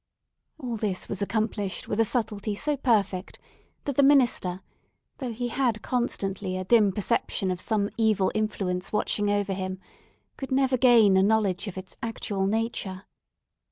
All this was accomplished with a subtlety so perfect, that the minister, though he had constantly a dim perception of some evil influence watching over him, could never gain a knowledge of its actual nature.